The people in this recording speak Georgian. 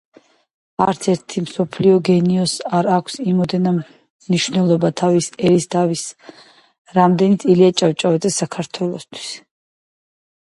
არც ერთს მსოფლიო გენიოსს არ აქვს იმოდენა მნიშვნელობა თავისი ერისათვის, რამდენიც ილია ჭავჭავაძეს საქართველოსთვის...